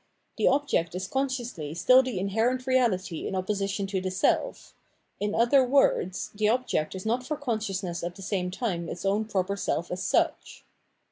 The object is consciously still the inherent reahty in opposition to the self; in other words, the object is not for consciousness at the same time its own proper self as such.